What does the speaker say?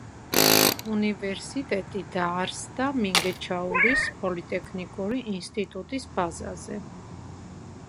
უნივერსიტეტი დაარსდა მინგეჩაურის პოლიტექნიკური ინსტიტუტის ბაზაზე.